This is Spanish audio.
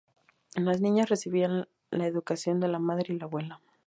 Las niñas recibían la educación de la madre y la abuela.